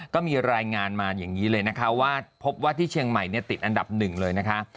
ก็มีรายงานมาอย่างนี้เลยนะคะว่าพบว่าที่เชียงใหม่ติดอันดับหนึ่งเลยนะคะ